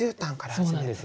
そうなんです。